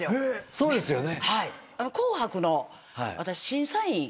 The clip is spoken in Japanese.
そうですよね。